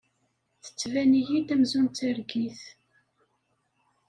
Tettban-iyi-d amzun d targit.